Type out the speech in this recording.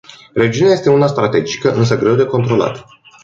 Regiunea este una strategică, însă greu de controlat.